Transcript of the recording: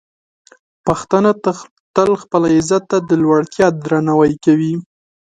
پښتانه تل خپل عزت ته د لوړتیا درناوی کوي.